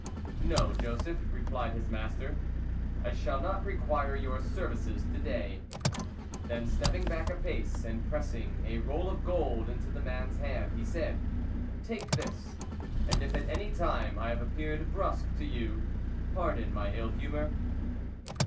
"No, Joseph," replied his master, "I shall not require your services to day." Then, stepping back a pace and pressing a roll of gold into the man's hand, he said, "Take this, and if at any time I have appeared brusque to you, pardon my ill humour."